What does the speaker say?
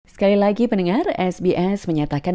sekali lagi pendengar sbs menyatakan